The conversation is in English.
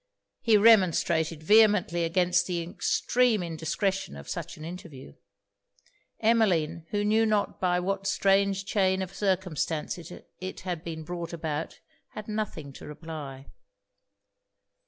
He remonstrated vehemently against the extreme indiscretion of such an interview. Emmeline, who knew not by what strange chain of circumstances it had been brought about, had nothing to reply.